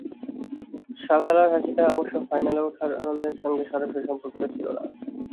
সাবেলার হাসিটা অবশ্য ফাইনালে ওঠার আনন্দের সঙ্গে সরাসরি সম্পর্কিত ছিল না।